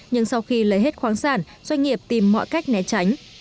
nhưng sau khi lấy hết khoáng sản doanh nghiệp tìm mọi cách né tránh